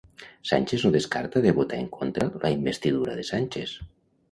Sánchez no descarta de votar en contra la investidura de Sánchez.